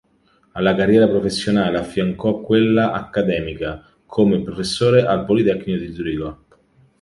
Alla carriera professionale affiancò quella accademica, come professore al Politecnico di Zurigo.